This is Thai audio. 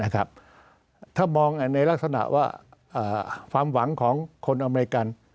ถ้ามองในลักษณะว่าความหวังของคนอเมริกัน